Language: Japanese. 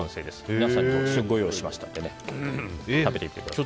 皆さんにもご用意しましたので食べてみてください。